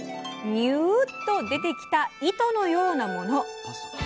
ニューっと出てきた糸のようなもの。